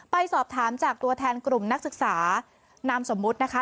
ไปสอบถามจากตัวแทนกลุ่มนักศึกษานามสมมุตินะคะ